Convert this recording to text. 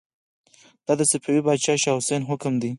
دا د صفوي پاچا شاه حسين حکم دی.